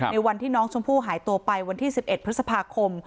ในวันที่น้องชมพู่หายตัวไปวันที่๑๑พฤษภาคม